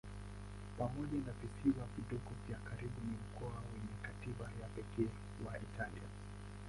Pamoja na visiwa vidogo vya karibu ni mkoa wenye katiba ya pekee wa Italia.